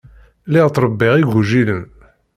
Lliɣ ttṛebbiɣ igujilen.